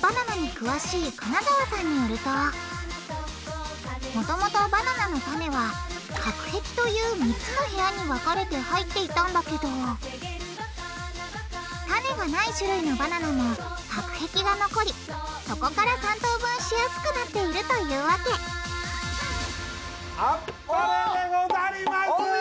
バナナに詳しい金澤さんによるともともとバナナの種は隔壁という３つの部屋に分かれて入っていたんだけど種がない種類のバナナも隔壁が残りそこから３等分しやすくなっているというわけお見事！